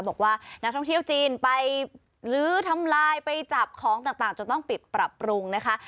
บอกว่านักท่องเที่ยวจีนไปลื้อทำลายไปจับของต่างจนต้องปิดปรับปรุงนะคะ